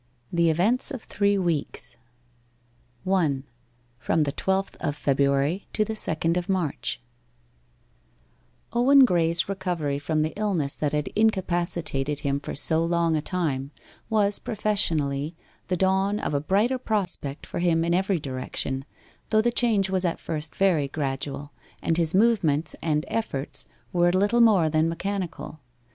XV. THE EVENTS OF THREE WEEKS 1. FROM THE TWELFTH OF FEBRUARY TO THE SECOND OF MARCH Owen Graye's recovery from the illness that had incapacitated him for so long a time was, professionally, the dawn of a brighter prospect for him in every direction, though the change was at first very gradual, and his movements and efforts were little more than mechanical.